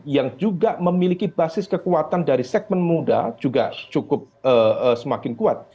yang juga memiliki basis kekuatan dari segmen muda juga cukup semakin kuat